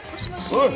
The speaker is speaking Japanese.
おい。